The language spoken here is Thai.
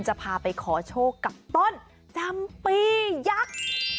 จะพาไปขอโชคกับต้นจำปียักษ์